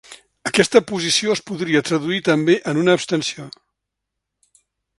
Aquesta posició es podria traduir també en una abstenció.